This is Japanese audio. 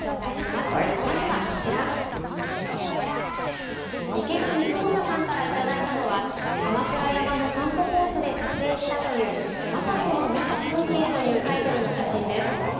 まずは、こちら池田三政さんからいただいたのは鎌倉山の散歩コースで撮影したという「政子の見た風景」というタイトルの写真です。